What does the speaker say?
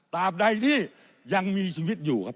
ตามใดที่ยังมีชีวิตอยู่ครับ